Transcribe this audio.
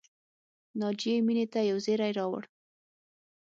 ناجیې مینې ته یو زېری راوړ